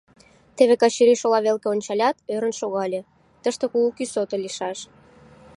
Теве Качырий шола велке ончалят, ӧрын шогале: тыште кугу кӱсото лийшаш.